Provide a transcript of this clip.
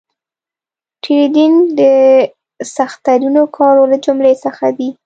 ټریډینګ د سخترینو کارو له جملې څخه دي